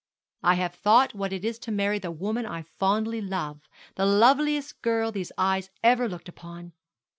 'I have thought what it is to marry the woman I fondly love, the loveliest girl these eyes ever looked upon.